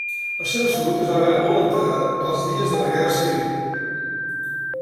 La seva salut es va veure molt alterada pels dies de la Guerra civil.